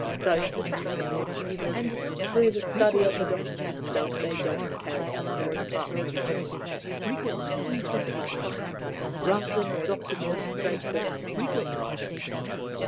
Those are the facts, and without further study of the document itself, they don't carry us very far." "Why do you think it is a cipher rather than a document in straightforward Hebrew?"